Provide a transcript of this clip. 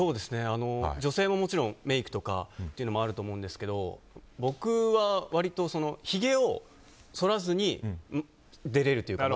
女性ももちろんメイクとかっていうのもあると思うんですけど僕は割とひげを剃らずに出れるというか。